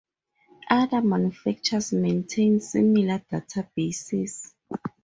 Other manufacturers maintain similar databases.